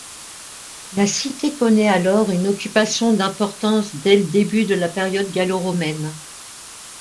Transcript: La cité connaît alors une occupation d'importance dès le début de la période gallo-romaine.